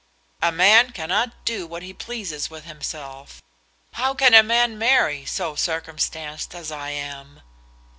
"A man cannot do what he pleases with himself. How can a man marry, so circumstanced as I am?"